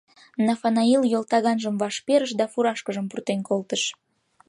Нафанаил йолтаганжым ваш перыш да фуражкыжым пуртен колтыш.